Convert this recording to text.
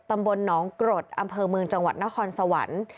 ตำบลหนองกรดอำเภอเมืองจังหวัดนครสวรรค์